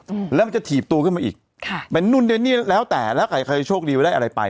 อืมแล้วมันจะถีบตัวขึ้นมาอีกค่ะเป็นนู่นเป็นนี่แล้วแต่แล้วใครโชคดีไม่ได้อะไรไป